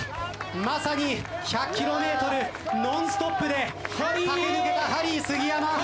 まさに１００ｋｍノンストップで駆け抜けたハリー杉山。